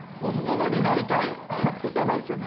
やばいですよね。